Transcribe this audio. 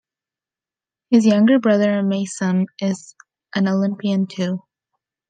His younger brother Meisam is an Olympian too.